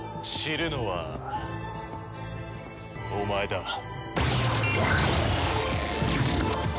散るのはお前だ。